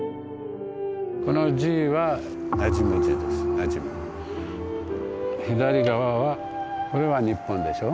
この字は左側はこれは日本でしょう。